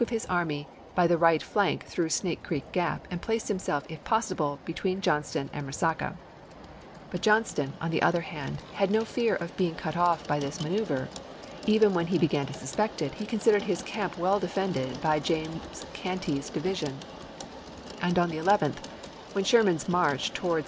i. of his army by the right flank through Snake Creek Gap and place himself, if possible, between John ston and Resaca ; but Johnston on the other hand had no fear of being cut off by this manoeuvre; even when he began to suspect it, he considered his camp well defended by James Cantey's division; and on the 11th, when Sherman's march towards May.isei.